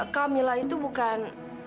kamila itu bukan